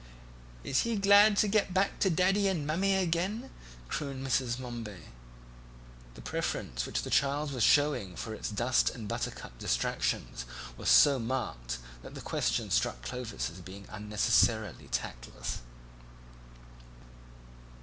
"Is he glad to get back to Daddy and Mummy again?" crooned Mrs. Momeby; the preference which the child was showing for its dust and buttercup distractions was so marked that the question struck Clovis as being unnecessarily tactless.